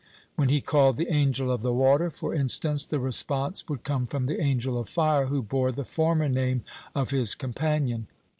When he called the Angel of the Water, for instance, the response would come from the Angel of Fire, who bore the former name of his companion.